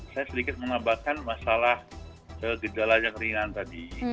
saya sedikit menambahkan masalah gejala yang ringan tadi